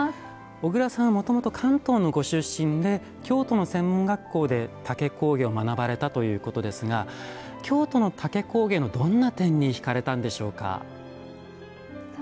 小倉さんはもともと関東のご出身で京都の専門学校で竹工芸を学ばれたということですが京都の竹工芸のどんな点にひかれたんでしょうか。